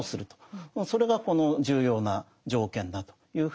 それがこの重要な条件だというふうに考えてるわけです。